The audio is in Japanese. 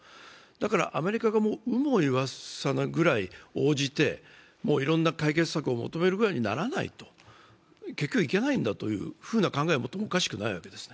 だからアメリカが有無を言わさぬぐらい応じて、いろんな解決策を求めるぐらいにならないと結局、いけないんだという考えを持ってもおかしくないわけです。